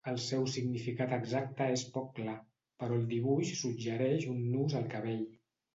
El seu significat exacte és poc clar, però el dibuix suggereix un nus al cabell.